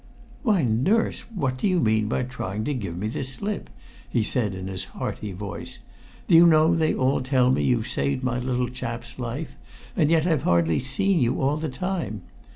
"Why, nurse, what do you mean by trying to give me the slip?" he said in his hearty voice. "Do you know they all tell me you've saved my little chap's life, and yet I've hardly seen you all the time?